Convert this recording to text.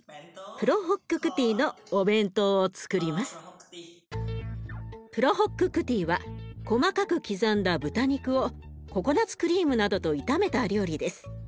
プロホック・クティは細かく刻んだ豚肉をココナツクリームなどと炒めた料理です。